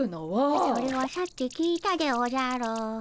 それはさっき聞いたでおじゃる。